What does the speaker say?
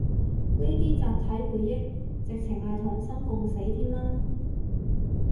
呢啲集體回憶，直程係同生共死添啦